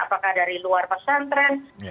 apakah dari luar pesantren